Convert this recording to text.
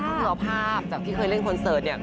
ก็คือเอาภาพจากที่เคยเล่นคอนเสิร์ตเนี่ย